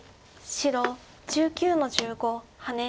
白１９の十五ハネ。